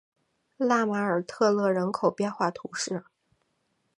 拉马尔特勒人口变化图示